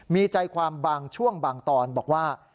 มีใจความบางช่วงบางตอนบอกว่า